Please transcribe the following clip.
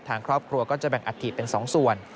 ทางครอบครัวก็จะแบ่งอัฐิเป็น๒ส่วน